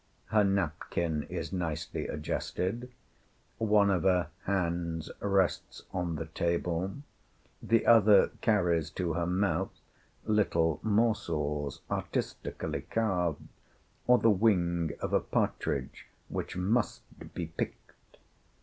Her napkin is nicely adjusted; one of her hands rests on the table, the other carries to her mouth little morsels artistically carved, or the wing of a partridge which must be picked.